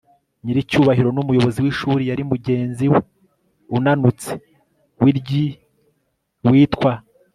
nyiricyubahiro n'umuyobozi w'ishuri yari mugenzi we unanutse, wiry witwa